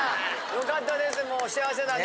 よかったですもう。